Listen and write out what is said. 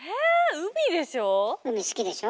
海好きでしょ？